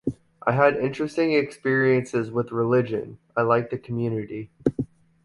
I had interesting experiences with religion, I liked the community